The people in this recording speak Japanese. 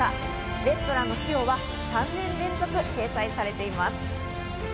レストランのｓｉｏは３年連続、掲載されています。